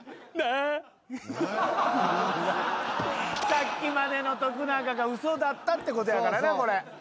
さっきまでの徳永が嘘だったってことやからなこれ。